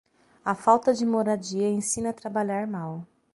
A falta de moradia ensina a trabalhar mal.